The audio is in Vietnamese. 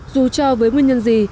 dù cho với nguyên nhân gì